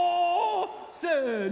せの！